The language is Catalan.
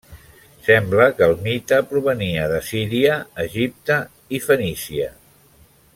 Sembla que el mite provenia d'Assíria, Egipte i Fenícia.